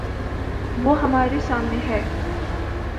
وہ ہمارے سامنے ہے۔